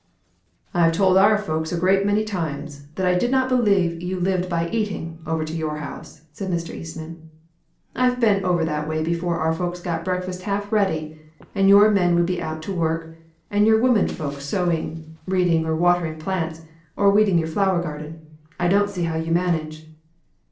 "I have told our folks a great many times, that I did not believe that you lived by eating, over to your house," said Mr. Eastman. "I have been over that way before our folks got breakfast half ready; and your men would be out to work, and you women folks sewing, reading, or watering plants, or weeding your flower garden. I don't see how you manage."